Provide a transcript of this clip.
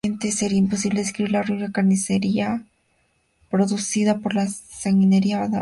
Sería imposible describir la horrible carnicería producida por la sanguinaria andanada de este barco.